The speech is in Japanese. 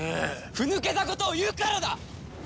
ふ抜けたことを言うからだ！